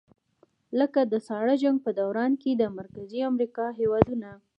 لکه د ساړه جنګ په دوران کې د مرکزي امریکا هېوادونه.